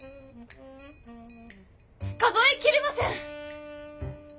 数えきれません！